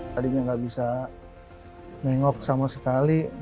tadinya tidak bisa menengok sama sekali